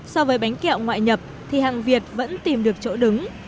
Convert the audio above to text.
so với bánh kẹo ngoại nhập thì hàng việt vẫn tìm được chỗ đứng